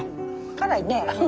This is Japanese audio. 辛いね。